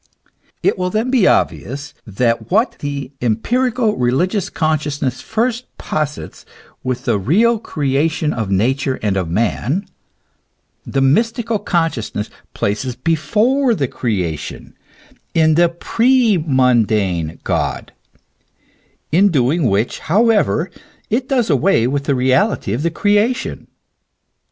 It will then be obvious that what the empirical religious consciousness first posits with the real creation of Nature and of man, the mystical consciousness places before the creation in the premuridane God, in doing which, however, it does away with the reality of the creation.